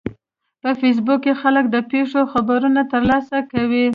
په فېسبوک کې خلک د پیښو خبرونه ترلاسه کوي